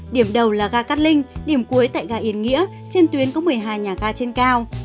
điểm đầu là ga cát linh điểm cuối tại ga yên nghĩa trên tuyến có một mươi hai nhà ga trên cao